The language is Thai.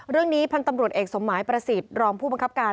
เรื่องนี้พันธ์ตำรวจเอกสมหมายประสิทธิ์รองผู้บังคับการ